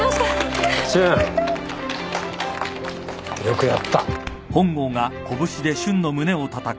よくやった